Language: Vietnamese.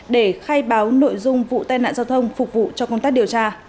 để khai báo nội dung vụ tai nạn giao thông phục vụ cho công tác điều tra